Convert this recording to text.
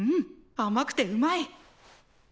あまくてうまい！